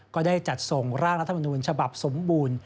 ก็ได้จัดส่งร่างรัฐมนูญฉบับสมบูรณ์